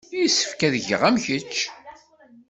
Yessefk ad geɣ am kečč.